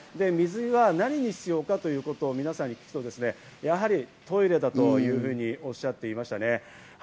水は何に必要かということを皆さんに聞くと、やはりトイレだというふうにおっしゃっていました。